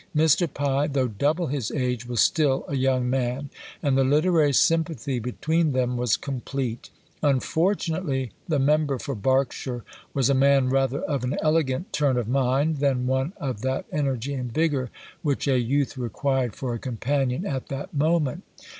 Mr. Pye, though double his age, was still a young man, and the literary sympathy between them was complete. Unfortunately, the member for Berkshire was a man rather of an elegant turn of mind, than one of that energy and vigour which a youth required for a companion at that moment.